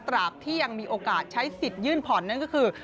ที่ยังมีโอกาสใช้สิทธิ์ยื่นผ่อนนั่นก็คือ